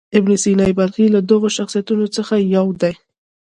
ابن سینا بلخي له دغو شخصیتونو څخه یو دی.